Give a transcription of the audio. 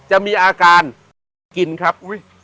จะมีอาการกินครับ